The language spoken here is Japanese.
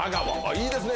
いいですね。